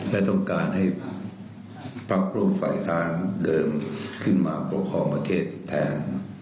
และต้องการให้พักร่วมฝ่ายค้านเดินขึ้นมาปกครองประเทศแทน